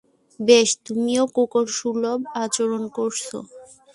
বেশ, তুমিও কুকুরসুলভ আচরণ করছো।